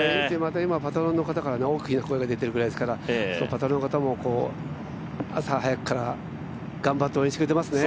パトロンの方から大きな声が出ているくらいですからパトロンの方も朝早くから頑張って応援してくれてますね。